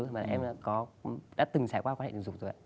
mà em đã từng trải qua quan hệ tình dục rồi